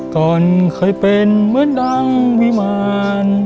ก่อนเคยเป็นเหมือนดังวิมาร